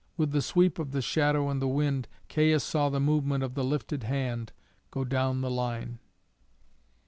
With the sweep of the shadow and the wind, Caius saw the movement of the lifted hand go down the line.